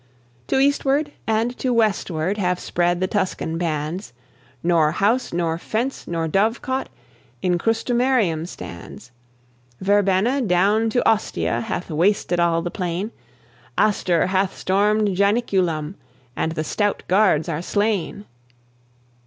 To eastward and to westward Have spread the Tuscan bands; Nor house, nor fence, nor dovecot, In Crustumerium stands. Verbenna down to Ostia Hath wasted all the plain; Astur hath stormed Janiculum, And the stout guards are slain.